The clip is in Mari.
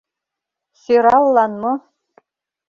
Сӧраллан мо?